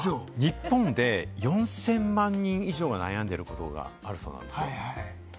日本で４０００万人以上が悩んでいる方の話なんです。